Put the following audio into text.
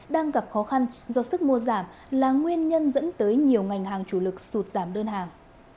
đang gặp khó khăn do sức mua giảm là nguyên nhân dẫn tới nhiều ngành hàng chủ lực sụt giảm đơn hàng